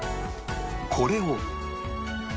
これを